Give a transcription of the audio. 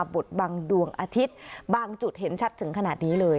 บทบังดวงอาทิตย์บางจุดเห็นชัดถึงขนาดนี้เลย